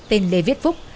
tên lê viết phúc